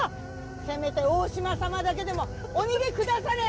せめて大島様だけでもお逃げくだされ！